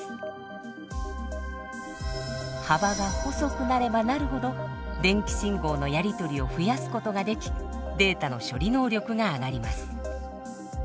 幅が細くなればなるほど電気信号のやり取りを増やすことができデータの処理能力が上がります。